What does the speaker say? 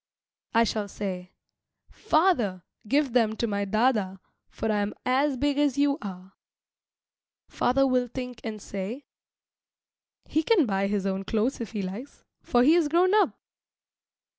I shall say, "Father, give them to my dâdâ [elder brother], for I am as big as you are." Father will think and say, "He can buy his own clothes if he likes, for he is grown up."